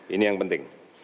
ini yang penting